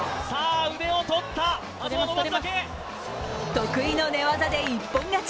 得意の寝技で一本勝ち。